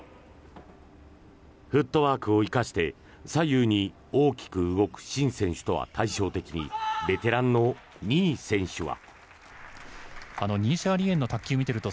フットワークを生かして左右に大きく動くシン選手とは対照的にベテランのニー選手は。